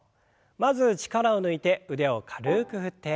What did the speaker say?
まず力を抜いて腕を軽く振って。